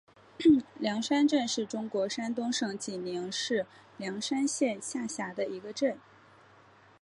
梁山镇是中国山东省济宁市梁山县下辖的一个镇。